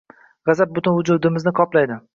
G‘azab butun vujudimizni qoplaydi